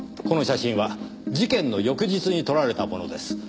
この写真は事件の翌日に撮られたものです。